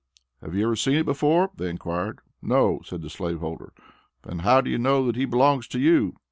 "Have you ever seen it before?" they inquired. "No," said the slave holder. "Then how do you know that he belongs to you?"